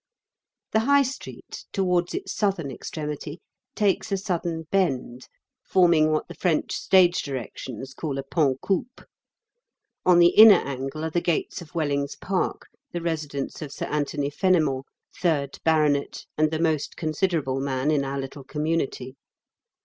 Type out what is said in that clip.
The High Street, towards its southern extremity, takes a sudden bend, forming what the French stage directions call a pan coupe. On the inner angle are the gates of Wellings Park, the residence of Sir Anthony Fenimore, third baronet, and the most considerable man in our little community.